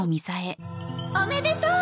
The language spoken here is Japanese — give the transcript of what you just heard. おめでとう！